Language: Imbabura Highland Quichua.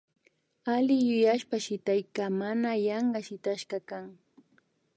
Alli yuyashpa shitaykaka mana yanka shitashka kan